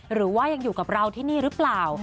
หรือว่ายังอยู่กับเราที่นี่หรือเปล่า